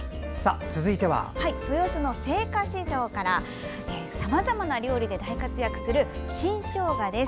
豊洲の青果市場からさまざまな料理で大活躍する新しょうがです。